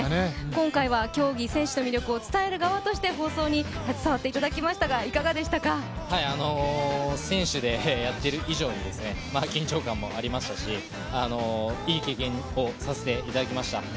今回は競技、選手の魅力を伝える側として放送に携わっていただきましたが選手でやっている以上に緊張感もありましたしいい経験をさせていただきました。